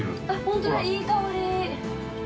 ◆本当だ、いい香り。